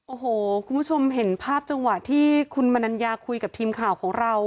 โอ้โหคุณผู้ชมเห็นภาพจังหวะที่คุณมนัญญาคุยกับทีมข่าวของเรา